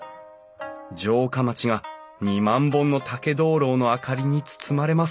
城下町が２万本の竹灯籠の明かりに包まれます